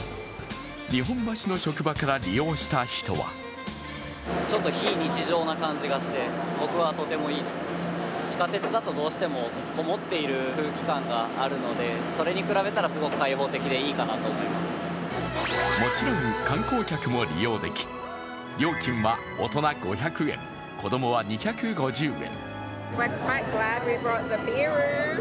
日本橋の職場から利用した人はもちろん観光客も利用でき料金は大人５００円、子供は２５０円。